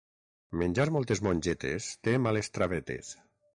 Menjar moltes mongetes té males travetes.